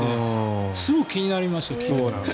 すごく気になりました。